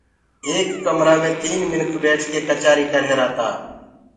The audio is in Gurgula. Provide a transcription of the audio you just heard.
ايڪ ڪمرآ مي تين منک ٻيٺ ڪي ڪچآري ڪرريهرآ تآ